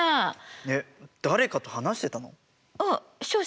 えっ誰かと話してたの？